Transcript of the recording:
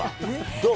どう？